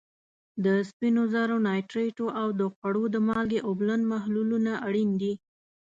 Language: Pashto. د سپینو زرو نایټریټو او د خوړو د مالګې اوبلن محلولونه اړین دي.